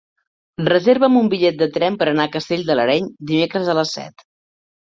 Reserva'm un bitllet de tren per anar a Castell de l'Areny dimecres a les set.